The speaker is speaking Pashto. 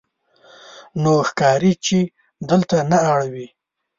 نو ښکاري چې دلته نه اړوې.